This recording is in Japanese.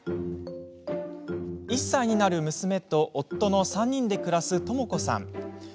１歳になる娘と夫の３人で暮らすともこさんです。